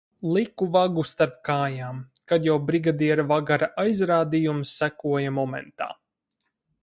Liku vagu starp kājām, kad jau brigadiera-vagara aizrādījums sekoja momentā.